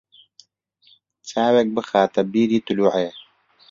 چاوێک بخاتە بیری تلووعێ